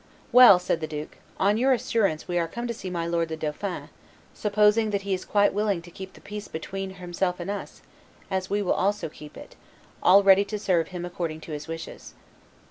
"Well," said the duke, "on your assurance we are come to see my lord the dauphin, supposing that he is quite willing to keep the peace between himself and us, as we also will keep it, all ready to serve him according to his wishes."